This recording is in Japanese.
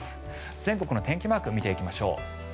全国の天気マークを見ていきましょう。